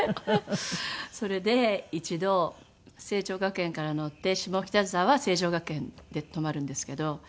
それで一度成城学園から乗って下北沢成城学園って止まるんですけど。